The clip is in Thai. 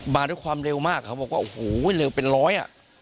มาด้วยความเร็วมากเขาบอกว่าโอ้โหเร็วเป็นร้อยอ่ะ